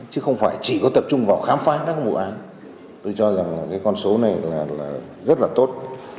chứ không phải chỉ có tập trung vào khám phá các vụ án tôi cho rằng là cái con số này là rất là tốt